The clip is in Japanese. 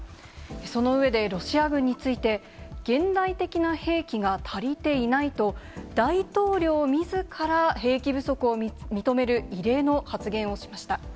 その上で、ロシア軍について、現代的な兵器が足りていないと、大統領みずから、兵器不足を認める異例の発言をしました。